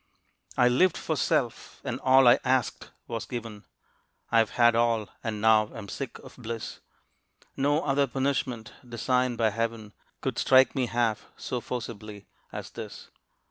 I lived for self, and all I asked was given, I have had all, and now am sick of bliss, No other punishment designed by Heaven Could strike me half so forcibly as this.